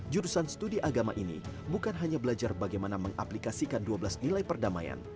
jurusan studi agama ini bukan hanya belajar bagaimana mengaplikasikan dua belas nilai perdamaian